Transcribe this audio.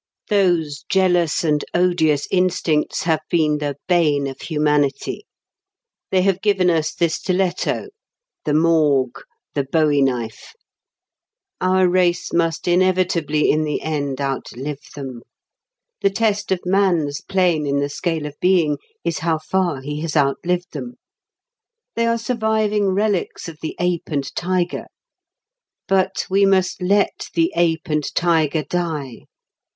Those jealous and odious instincts have been the bane of humanity. They have given us the stiletto, the Morgue, the bowie knife. Our race must inevitably in the end outlive them. The test of man's plane in the scale of being is how far he has outlived them. They are surviving relics of the ape and tiger. But we must let the ape and tiger die.